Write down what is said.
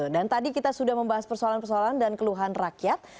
dan tadi kita sudah membahas persoalan persoalan dan keluhan rakyat